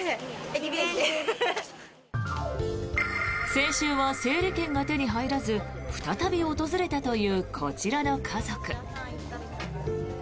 先週は整理券が手に入らず再び訪れたというこちらの家族。